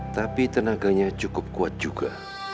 tapi tenaganya cukup kuat juga